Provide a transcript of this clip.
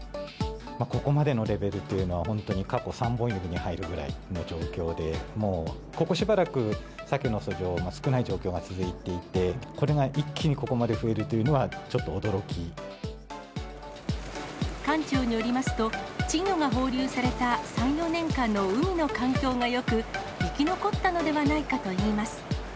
ここまでのレベルっていうのは、本当に過去３本指に入るぐらいの状況で、もう、ここしばらく、サケの遡上の少ない状況が続いていて、これが一気にここまで増え館長によりますと、稚魚が放流された３、４年間の海の環境がよく、生き残ったのではないかといいます。